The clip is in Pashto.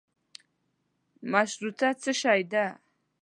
مشروطه څشي ده.